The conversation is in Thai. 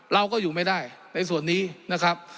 เราก็อยู่ไม่ได้ในส่วนนี้นะครับ